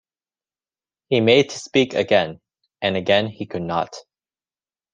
He made to speak again, and again he could not.